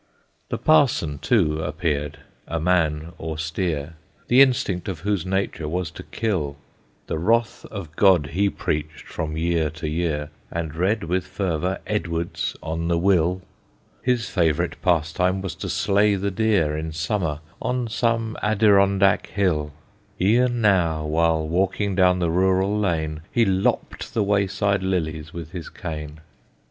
The Parson, too, appeared, a man austere, The instinct of whose nature was to kill; The wrath of God he preached from year to year, And read, with fervor, Edwards on the Will; His favorite pastime was to slay the deer In Summer on some Adirondac hill; E'en now, while walking down the rural lane, He lopped the wayside lilies with his cane.